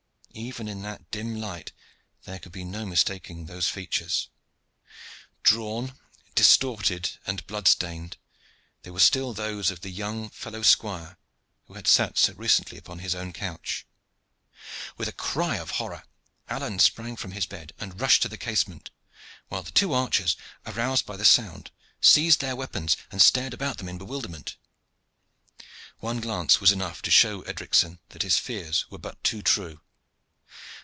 Even in that dim light there could be no mistaking those features. Drawn, distorted and blood stained, they were still those of the young fellow squire who had sat so recently upon his own couch. With a cry of horror Alleyne sprang from his bed and rushed to the casement, while the two archers, aroused by the sound, seized their weapons and stared about them in bewilderment. One glance was enough to show Edricson that his fears were but too true.